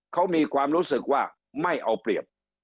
เขามีความรู้สึกว่าไม่เอาเปรียบ